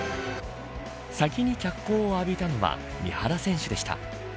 先に脚光を浴びたのは三原選手でした。